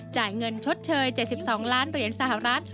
จ่ายเงินชดเชย๗๒ล้านเหรียญสหรัฐ